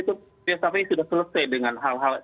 itu buya syafiee sudah selesai dengan hal hal materi